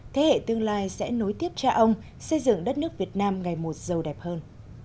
thế hệ tương lai sẽ nối tiếp cha ông xây dựng đất nước việt nam ngày một giàu đẹp hơn